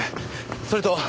それと。